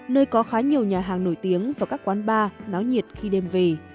nơi có khá nhiều nhà hàng nổi tiếng và các quán bar náo nhiệt khi đêm về